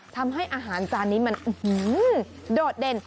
ทำให้อาหารจานนี้มันโดดเด่น